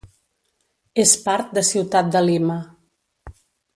És part de ciutat de Lima.